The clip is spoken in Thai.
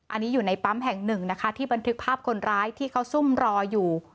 อันนี้อยู่ในปั๊มแห่งหนึ่งนะคะที่บันทึกภาพคนร้ายที่เขาซุ่มรออยู่